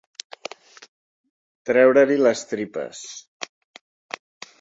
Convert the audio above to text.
Treure-li les tripes.